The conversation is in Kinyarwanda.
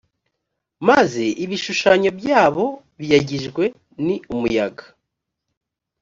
maze ibishushanyo byabo biyagijwe ni umuyaga